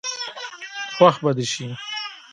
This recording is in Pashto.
خوښ به دي شي.